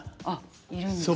いるんですね。